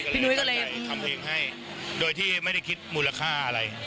พี่นุ้ยก็เลยทำเพลงให้โดยที่ไม่ได้คิดมูลค่าอะไร